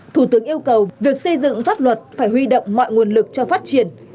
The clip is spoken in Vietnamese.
thủ tướng yêu cầu việc xây dựng pháp luật phải huy động mọi nguồn lực cho phát triển